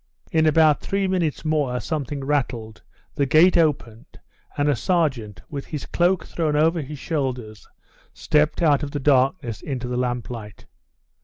In about three minutes more something rattled, the gate opened, and a sergeant, with his cloak thrown over his shoulders, stepped out of the darkness into the lamplight.